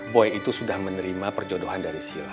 boy itu sudah menerima perjodohan dari sila